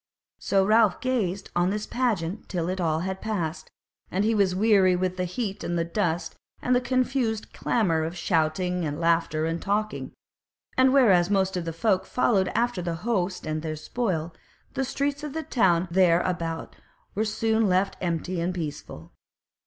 So Ralph gazed on this pageant till all had passed, and he was weary with the heat and the dust and the confused clamour of shouting and laughter and talking; and whereas most of the folk followed after the host and their spoil, the streets of the town there about were soon left empty and peaceful.